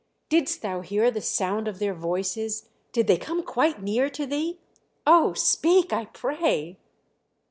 didst thou hear the sound of their voices? did they come quite near to thee? Oh! speak, I pray!"